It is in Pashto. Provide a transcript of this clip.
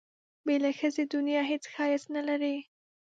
بې له ښځې دنیا هېڅ ښایست نه لري.